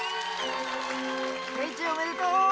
・慶一おめでとう！